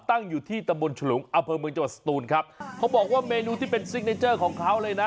ตั้งอยู่ที่ตำบลฉลุงอำเภอเมืองจังหวัดสตูนครับเขาบอกว่าเมนูที่เป็นซิกเนเจอร์ของเขาเลยนะ